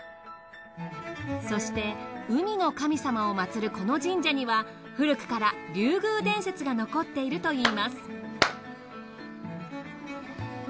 そして海の神様を祀るこの神社には古くから竜宮伝説が残っているといいます。